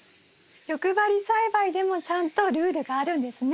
欲張り栽培でもちゃんとルールがあるんですね。